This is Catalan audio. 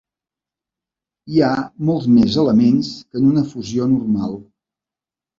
Hi ha molts més elements que en una fusió normal.